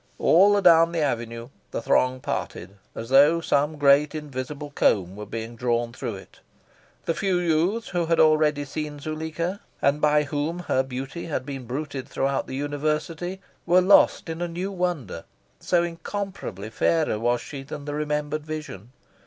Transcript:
All a down the avenue, the throng parted as though some great invisible comb were being drawn through it. The few youths who had already seen Zuleika, and by whom her beauty had been bruited throughout the University, were lost in a new wonder, so incomparably fairer was she than the remembered vision.